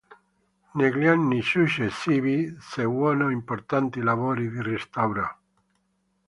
Negli anni successivi seguono importanti lavori di restauro.